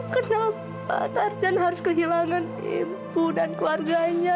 kenapa tarzan harus kehilangan ibu dan keluarganya